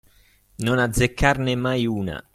Non azzeccarne mai una.